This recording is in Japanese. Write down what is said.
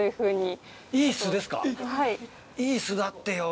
いい巣だってよ。